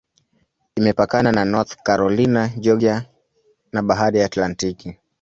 Imepakana na North Carolina, Georgia na Bahari ya Atlantiki.